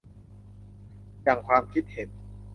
หยั่งความคิดเห็น